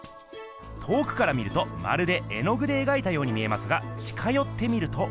遠くから見るとまるで絵の具でえがいたように見えますが近よって見ると。